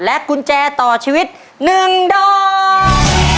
และกุญแจต่อชีวิต๑ด้อง